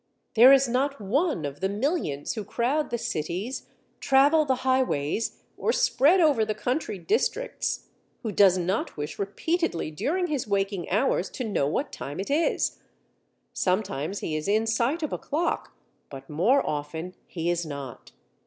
"There is not one of the millions who crowd the cities, travel the highways, or spread over the country districts, who does not wish repeatedly during his waking hours to know what time it is. Sometimes he is in sight of a clock, but more often he is not.